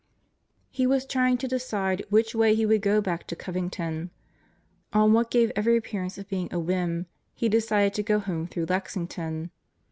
He was trying to decide which way he would go back to Coving ton. On what gave every appearance of being a whim, he decided to go home through Lexington.